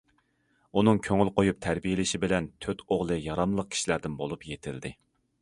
ئۇنىڭ كۆڭۈل قويۇپ تەربىيەلىشى بىلەن تۆت ئوغلى ياراملىق كىشىلەردىن بولۇپ يېتىلدى.